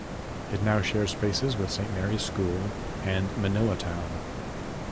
It now shares spaces with Saint Mary's School and Manilatown.